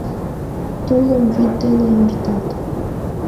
Тулым вӱд дене йӧртат.